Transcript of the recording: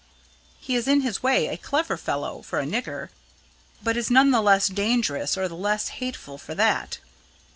He is in his way a clever fellow for a nigger; but is none the less dangerous or the less hateful for that.